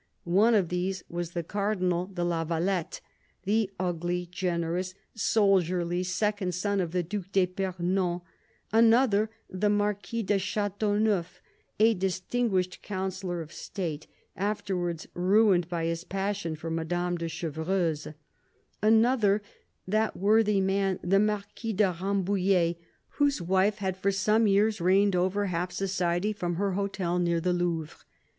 One of these was the Cardinal de la Valette, the ugly, generous, soldierly second son of the Due d'fipernon ; another, the Marquis de Chateauneuf, a distinguished Councillor of State, afterwards ruined by his passion for Madame de Chevreuse ; another, that worthy man the Marquis de Rambouillet, whose wife had for some years reigned over half society from her hotel near the Louvre.